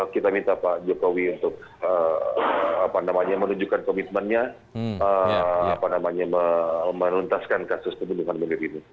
kita minta pak jokowi untuk menunjukkan komitmennya melentaskan kasus kematian bener itu